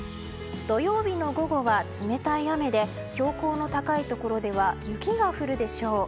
土曜日の午後は冷たい雨で標高の高いところでは雪が降るでしょう。